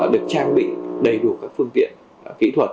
được trang bị đầy đủ các phương tiện kỹ thuật